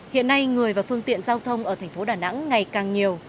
hiện nay người và phương tiện giao thông ở thành phố đà nẵng ngày càng nhiều